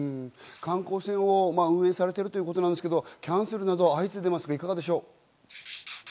観光船を運営されているということなんですが、キャンセルなど相次いでいますか？